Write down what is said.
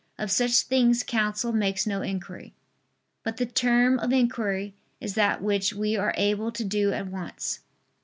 Of such things counsel makes no inquiry. But the term of inquiry is that which we are able to do at once.